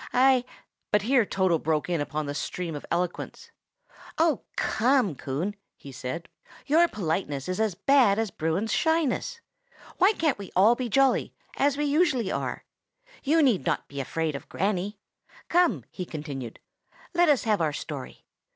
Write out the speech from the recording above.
I—" But here Toto broke in upon the stream of eloquence. "Oh, come, Coon!" he cried, "your politeness is as bad as Bruin's shyness. Why can't we all be jolly, as we usually are? You need not be afraid of Granny. "Come," he continued, "let us have our story.